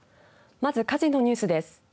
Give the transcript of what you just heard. まず火事のニュースです。